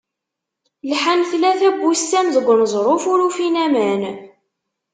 Lḥan tlata n wussan deg uneẓruf, ur ufin aman.